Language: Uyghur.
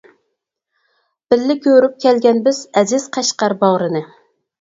بىللە كۆرۈپ كەلگەن بىز، ئەزىز قەشقەر باغرىنى.